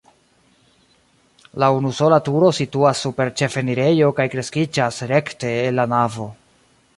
La unusola turo situas super la ĉefenirejo kaj kreskiĝas rekte el la navo.